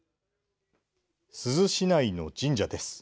珠洲市内の神社です。